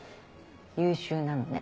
優秀なのね。